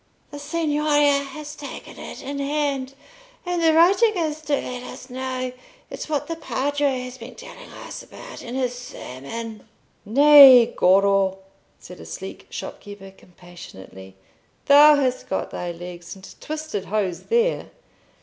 "The Signoria has taken it in hand, and the writing is to let us know. It's what the Padre has been telling us about in his sermon." "Nay, Goro," said a sleek shopkeeper, compassionately, "thou hast got thy legs into twisted hose there.